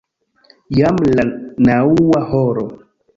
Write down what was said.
Jam la naŭa horo!